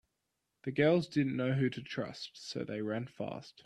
The girls didn’t know who to trust so they ran fast.